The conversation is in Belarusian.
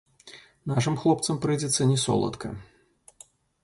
Нашым хлопцам прыйдзецца не соладка.